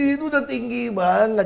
itu udah tinggi banget